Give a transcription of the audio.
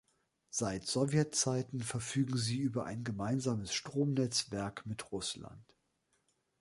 Seit Sowjetzeiten verfügen sie über ein gemeinsames Stromnetzwerk mit Russland.